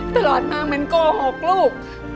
ตลอดมามันโกหกลูก